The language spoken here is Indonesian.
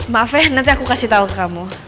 maaf ya nanti aku kasih tahu ke kamu